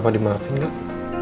papa dimaafin gak